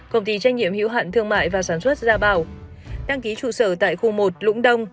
công ty trách nhiệm hữu hạn thương mại và sản xuất gia bảo đăng ký trụ sở tại khu một lũng đông